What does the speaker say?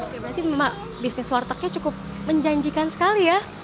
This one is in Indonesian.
berarti pak bisnis wartegnya cukup menjanjikan sekali ya